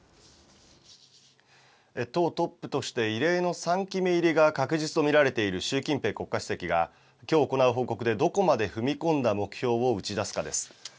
党トップとして異例の３期目入りが確実と見られている習近平国家主席が、きょう行う報告でどこまで踏み込んだ目標を打ち出すかです。